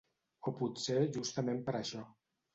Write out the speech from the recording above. O potser justament per això.